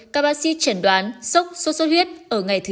các bác sĩ triển đoán sốc suốt huyết ở ngày thứ năm